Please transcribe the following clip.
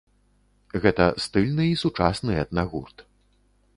Гэта стыльны і сучасны этна-гурт.